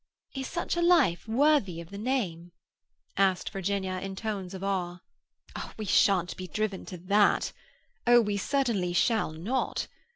"Is such a life worthy of the name?" asked Virginia in tones of awe. "We shan't be driven to that. Oh, we certainly shall not.